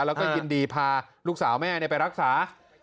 แล้วก็ยินดีพาลูกสาวแม่ไปรักษา